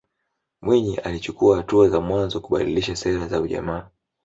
Mwinyi alichukuwa hatua za mwanzo kubadilisha sera za ujamaa